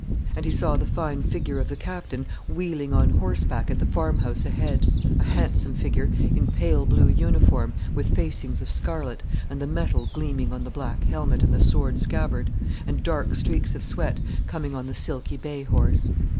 And he saw the fine figure of the Captain wheeling on horseback at the farm house ahead, a handsome figure in pale blue uniform with facings of scarlet, and the metal gleaming on the black helmet and the sword scabbard, and dark streaks of sweat coming on the silky bay horse.